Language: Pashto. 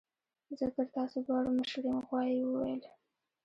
زه تر تاسو دواړو مشر یم غوايي وویل.